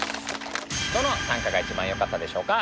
どの短歌が一番よかったでしょうか？